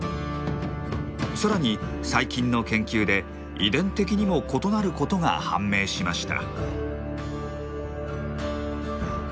さらに最近の研究で遺伝的にも異なることが判明しました。